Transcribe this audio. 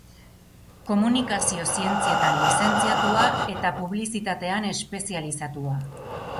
Komunikazio-zientzietan lizentziatua eta publizitatean espezializatua.